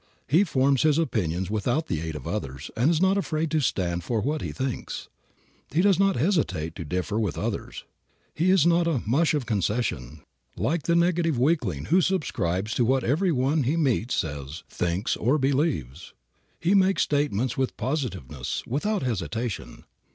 He forms his opinions without the aid of others and is not afraid to stand for what he thinks. He does not hesitate to differ with others. He is not a "mush of concession," like the negative weakling who subscribes to what everyone he meets says, thinks or believes. He makes statements with positiveness, without hesitation.